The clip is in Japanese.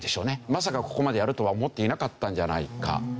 まさかここまでやるとは思っていなかったんじゃないか。